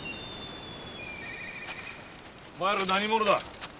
お前ら何者だ？